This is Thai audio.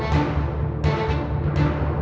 ได้ครับ